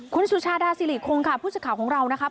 คุณสุชาดาซิริคงค่ะผู้ชาวของเรานะคะ